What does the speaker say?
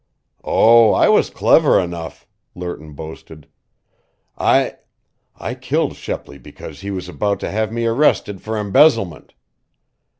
"Oh, I was clever enough!" Lerton boasted. "I I killed Shepley because he was about to have me arrested for embezzlement.